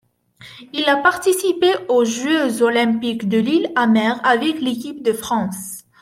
Il a participé aux jeux Olympiques de Lillehammer avec l'équipe de France.